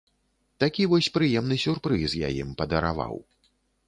Такі вось прыемны сюрпрыз я ім падараваў.